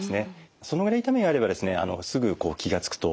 そのぐらい痛みがあればすぐ気が付くと思うんですね。